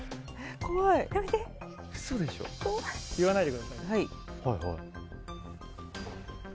言わないでくださいよ。